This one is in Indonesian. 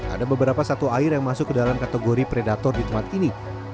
ada beberapa satu air yang masuk ke dalam kategori predator di tempat ini